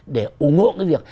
để ủng hộ cái việc